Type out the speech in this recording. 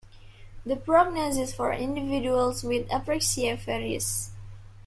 The prognosis for individuals with apraxia varies.